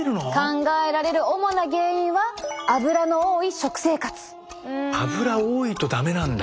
考えられる主な原因はアブラ多いと駄目なんだ！